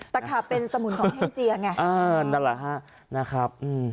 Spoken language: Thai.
ตะขาบเป็นสมุนของแห้งเจียไงอ่านั่นแหละฮะนะครับ